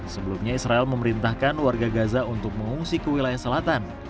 sebelumnya israel memerintahkan warga gaza untuk mengungsi ke wilayah selatan